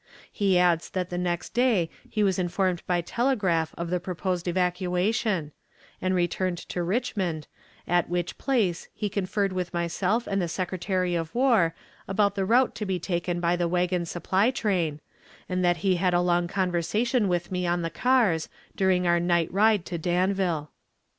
He adds that the next day he was informed by telegraph of the proposed evacuation, and returned to Richmond, at which place he conferred with myself and the Secretary of War about the route to be taken by the wagon supply train, and that he had a long conversation with me on the care, during our night ride to Danville.